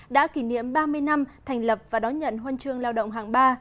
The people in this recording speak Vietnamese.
đã kỷ niệm ba mươi năm thành lập và đón nhận huân chương lao động hàng ba